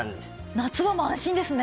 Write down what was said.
夏場も安心ですね。